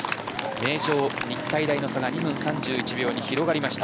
名城日体大との差は２分３１秒に広がりました。